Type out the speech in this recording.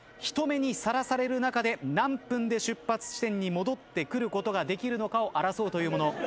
人目にさらされる中で何分で出発地点に戻ってくることができるのかを争うというもの。